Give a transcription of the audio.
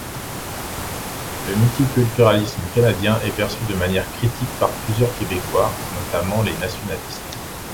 Le multiculturalisme canadien est perçu de manière critique par plusieurs Québécois, notamment les nationalistes.